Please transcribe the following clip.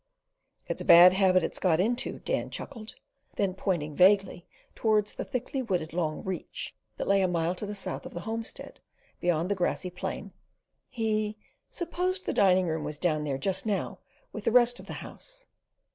"It's a bad habit it's got into," Dan chuckled; then pointing vaguely towards the thickly wooded long Reach, that lay a mile to the south of the homestead, beyond the grassy plain, he "supposed the dining room was down there just now, with the rest of the House."